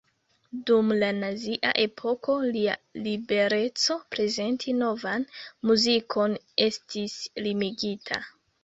Dum la Nazia epoko, lia libereco prezenti novan muzikon estis limigita.